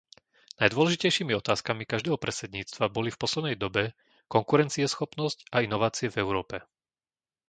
Najdôležitejšími otázkami každého predsedníctva boli v poslednej dobe konkurencieschopnosť a inovácie v Európe.